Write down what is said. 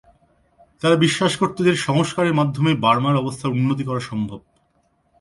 তারা বিশ্বাস করত যে সংস্কারের মাধ্যমে বার্মার অবস্থার উন্নতি করা সম্ভব।